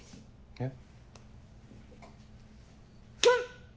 えっ？